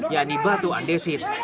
yakni batu andesit